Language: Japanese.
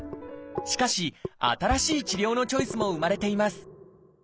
しかし新しい治療のチョイスも生まれています